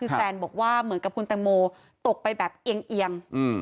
คือแซนบอกว่าเหมือนกับคุณแตงโมตกไปแบบเอียง